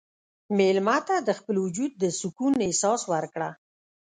مېلمه ته د خپل وجود د سکون احساس ورکړه.